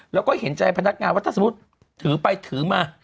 แล้วก็เห็นใจพนักงานว่าถ้าสมมุติถือไปถือมา